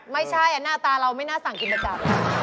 ไม่ใช่อ่ะหน้าตาเราไม่น่าสั่งกินประจำ